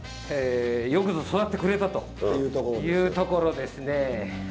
よくぞ育ってくれたというところですね。